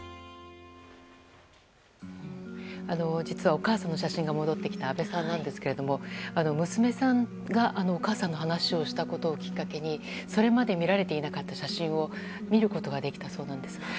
実はお母さんの写真が戻ってきた阿部さんですが娘さんがお母さんの話をしたことをきっかけにそれまで見られていなかった写真を見ることができたそうなんです。